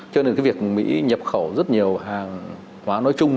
cho nên cái việc mỹ nhập khẩu rất nhiều hàng hóa nói chung